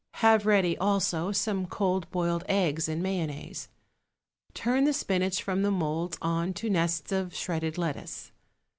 Have ready, also, some cold boiled eggs and mayonnaise. Turn the spinach from the moulds on to nests of shredded lettuce.